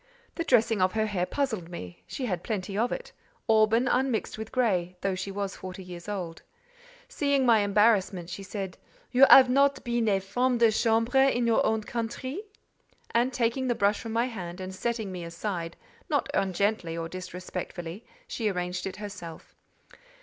The dressing of her hair puzzled me; she had plenty of it: auburn, unmixed with grey: though she was forty years old. Seeing my embarrassment, she said, "You have not been a femme de chambre in your own country?" And taking the brush from my hand, and setting me aside, not ungently or disrespectfully, she arranged it herself.